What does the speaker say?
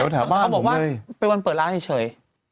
เขาบอกว่าเป็นวันประเทศเยอะเฉย